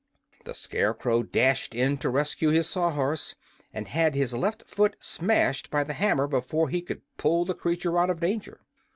The Scarecrow dashed in to rescue his Sawhorse, and had his left foot smashed by the hammer before he could pull the creature out of danger.